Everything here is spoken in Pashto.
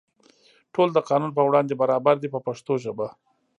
ټول د قانون په وړاندې برابر دي په پښتو ژبه.